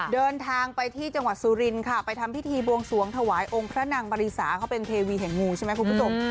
เดินทางไปที่จังหวัดสุรินค่ะไปทำพิธีบวงสวงถวายองค์พระนางบริษาเขาเป็นเทวีแห่งงูใช่ไหมคุณผู้ชม